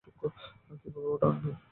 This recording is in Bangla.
কিভাবে ওটা আনবি?